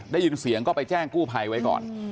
ได้ยินเสียงก็ไปแจ้งกู้ภัยไว้ก่อน